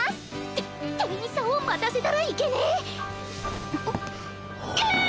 て店員さんを待たせたらいけね！